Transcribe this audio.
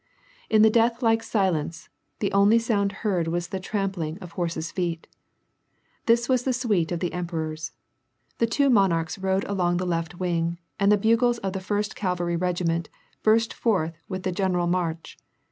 In the death like silence, the only sound heard was the trampling of horses' feet. This was the suite of the emperors. The two monarchs rode along the left wing, and the bugles of the First Cavalry Regiment burst forth with the genemlr marsck.